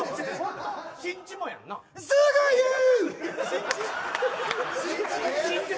すぐ言う。